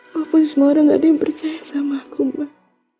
walaupun semua orang gak ada yang percaya sama aku mbak